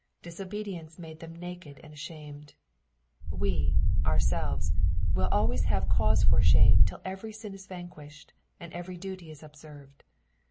Dis obedience made them naked and ashamed. We, ourselves, will always have cause for shame till every sin is vanquished, and every duty is observed.